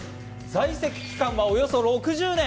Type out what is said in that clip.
在籍期間はおよそ６０年。